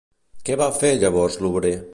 Què va fer llavors l'obrer?